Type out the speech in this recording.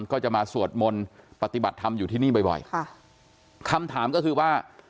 ก็จะมาสวดมนต์ปฏิบัติธรรมอยู่ที่นี่บ่อยบ่อยค่ะคำถามก็คือว่า